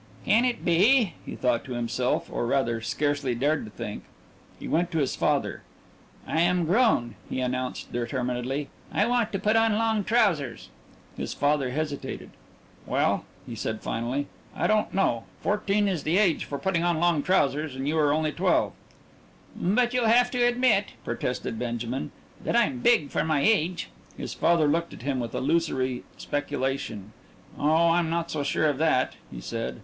"Can it be ?" he thought to himself, or, rather, scarcely dared to think. He went to his father. "I am grown," he announced determinedly. "I want to put on long trousers." His father hesitated. "Well," he said finally, "I don't know. Fourteen is the age for putting on long trousers and you are only twelve." "But you'll have to admit," protested Benjamin, "that I'm big for my age." His father looked at him with illusory speculation. "Oh, I'm not so sure of that," he said.